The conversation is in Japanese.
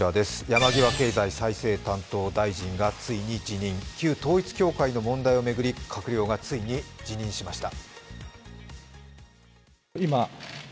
山際経済再生担当大臣がついに辞任、旧統一教会の問題を巡り閣僚がついに辞任しました。